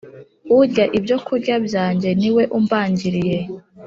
Urya ibyokurya byanjye ni we umbangiriye